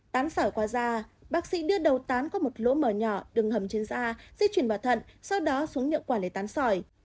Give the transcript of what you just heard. tán sỏi qua da bác sĩ đưa đầu tán qua một lỗ mở nhỏ đường hầm trên da dây chuyển vào thận sau đó xuống nhượng quản để tán sỏi